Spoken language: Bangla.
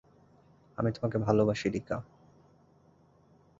আমি তোমাকে ভালোবাসি, রিকা।